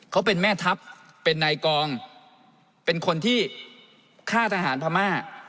เขาเป็นแม่ทัพเป็นนายกองเป็นคนที่ฆ่าทหารพม่า